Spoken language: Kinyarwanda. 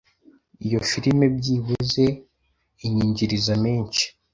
iyo filme byibuze inyinjiriza menshi